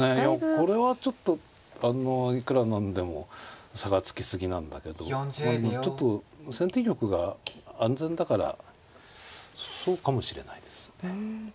これはちょっといくら何でも差がつき過ぎなんだけどちょっと先手玉が安全だからそうかもしれないですね。